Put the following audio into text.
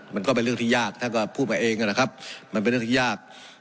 มันก็เป็นเรื่องที่ยากท่านก็พูดมาเองนะครับมันเป็นเรื่องที่ยาก